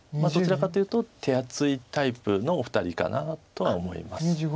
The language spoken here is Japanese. どちらかというと手厚いタイプのお二人かなとは思います。